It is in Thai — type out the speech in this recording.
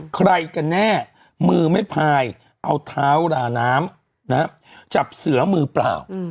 กันแน่มือไม่พายเอาเท้าราน้ำจับเสือมือเปล่า